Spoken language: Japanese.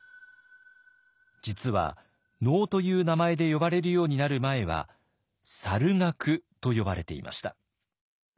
実は能という名前で呼ばれるようになる前は猿楽と呼ばれていました。